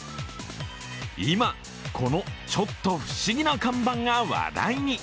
今、このちょっと不思議な看板が話題に。